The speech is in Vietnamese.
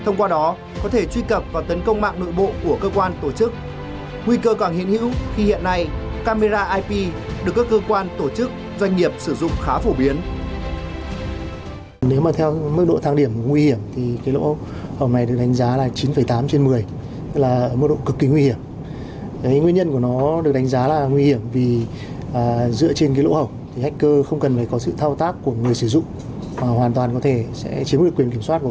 nguy cơ còn hiện hữu khi hiện nay camera ip được các cơ quan tổ chức doanh nghiệp sử dụng khá phổ biến